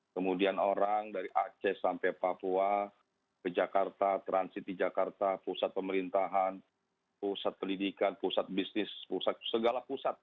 kemudian orang dari aceh sampai papua ke jakarta transit di jakarta pusat pemerintahan pusat pendidikan pusat bisnis segala pusat